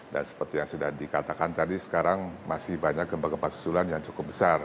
dan seperti yang sudah dikatakan tadi sekarang masih banyak gempa gempa susulan yang cukup besar